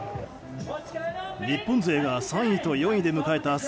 日本勢が３位と４位で迎えた